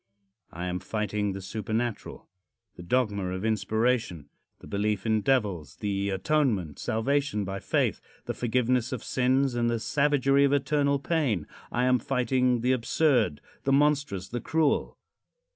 I am fighting the supernatural the dogma of inspiration the belief in devils the atonement, salvation by faith the forgiveness of sins and the savagery of eternal pain. I am fighting the absurd, the monstrous, the cruel.